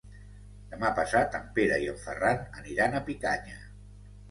Demà passat en Pere i en Ferran aniran a Picanya.